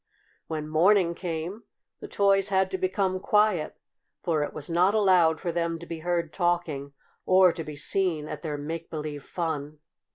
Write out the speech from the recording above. When morning came the toys had to become quiet, for it was not allowed for them to be heard talking or to be seen at their make believe fun.